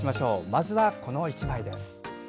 まずは、この１枚。